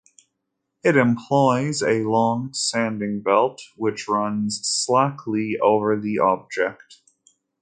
It employs a long sanding belt which runs slackly over the object.